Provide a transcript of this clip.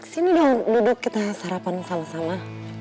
sini dong bebek kita sarapan sama sama